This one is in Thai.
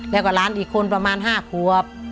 แล้วก็หลานอีกคนประมาณ๕ขวบ